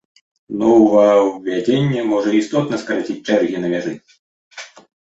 Новаўвядзенне можа істотна скараціць чэргі на мяжы.